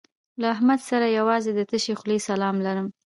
له احمد سره یوازې د تشې خولې سلام لرم.